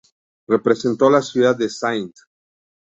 Representó la Ciudad de St.